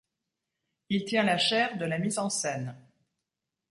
Il tient la chaire de la mise en scène.